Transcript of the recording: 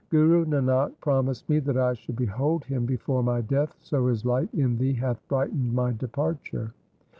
Guru Nanak promised me that I should behold him before my death, so his light in thee hath brightened my departure.'